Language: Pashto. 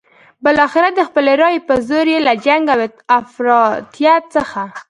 بالاخره د خپلې رايې په زور یې له جنګ او افراطیت څخه.